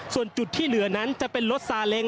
ส่วนจุดที่เหลือนั้นจะเป็นรถซาเล็ง